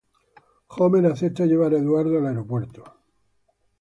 Homer acepta llevar a Eduardo al aeropuerto.